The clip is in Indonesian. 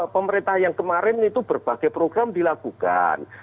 pemerintah yang kemarin itu berbagai program dilakukan